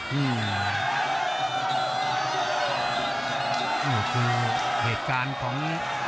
นี่คือเหตุการณ์ของ